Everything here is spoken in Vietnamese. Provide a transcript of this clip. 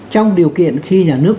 trong điều kiện khi nhà nước